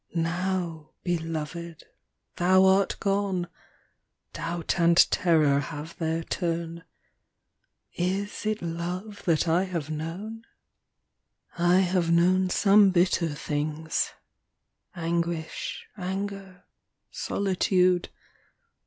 Now, Beloved, thou art gone, Doubt and terror have their turn. Is it love that I have known P PBOOF AND DISPROOF. 183 17. I have known some bitter things, â Anguish, anger, solitude.